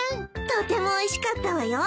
とてもおいしかったわよ